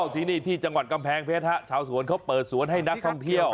ที่นี่ที่จังหวัดกำแพงเพชรชาวสวนเขาเปิดสวนให้นักท่องเที่ยว